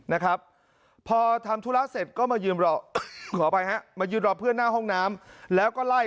นะครับพอทำธุระเสร็จก็มายืนรอบเพื่อนหน้าห้องน้ำแล้วก็ไล่